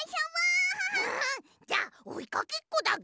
じゃあおいかけっこだぐ。